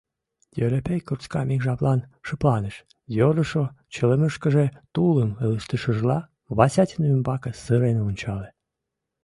Йӧрепей курскам ик жаплан шыпланыш, йӧрышӧ чылымышкыже тулым ылыжтышыжла, Васятин ӱмбаке сырен ончале.